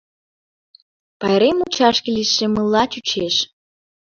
Пайрем мучашке лишеммыла чучеш.